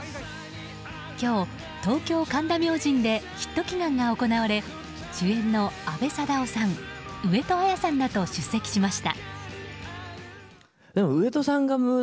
今日、東京・神田明神でヒット祈願が行われ主演の阿部サダヲさん上戸彩さんらと出席しました。